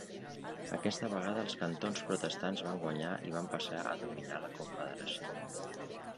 Aquesta vegada els cantons protestants van guanyar i van passar a dominar la Confederació.